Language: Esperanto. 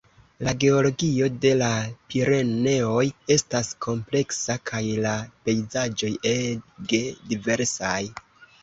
La geologio de la Pireneoj estas kompleksa kaj la pejzaĝoj ege diversaj.